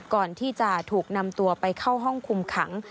ก่อนที่จะถูกนำตัวไปเข้าห้องคุมขัง